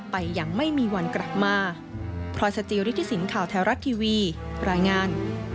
ไปอย่างไม่มีวันกลับมา